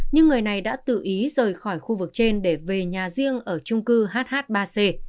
nhưng người này đã tự ý rời khỏi khu vực trên để về nhà riêng ở trung cư hh ba c